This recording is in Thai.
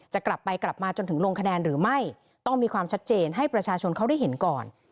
จะกลับไปกลับมาจนถึงลงคะแนนหรือไม่ต้องมีความชัดเจนให้ประชาชนเขาได้เห็นก่อน